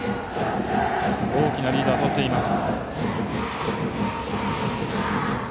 大きなリードを取っています。